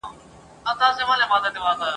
يوه ورځ ملا په خپل كور كي بيده وو !.